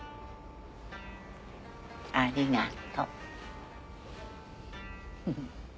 ありがと。